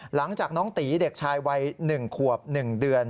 หลังจากน้องตีเด็กชายวัย๑ขวบ๑เดือน